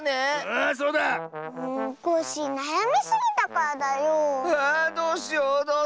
あどうしよう。